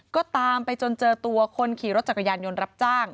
ก็ตามไปจนเจอตัวคนขี่รถจักรยานยนต์รับจ้าง